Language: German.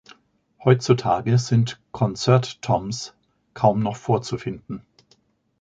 Heutzutage sind Concert-Toms kaum noch vorzufinden.